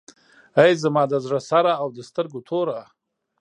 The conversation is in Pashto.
ای زما د زړه سره او د سترګو توره.